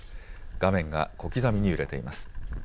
画面が小刻みに揺れています。